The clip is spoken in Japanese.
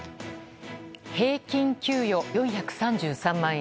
平均給与４３３万円。